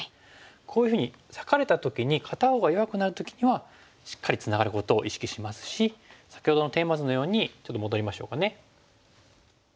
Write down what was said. こういうふうに裂かれた時に片方が弱くなる時にはしっかりツナがることを意識しますし先ほどのテーマ図のようにちょっと戻りましょうかね。